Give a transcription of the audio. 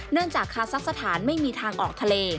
จากคาซักสถานไม่มีทางออกทะเล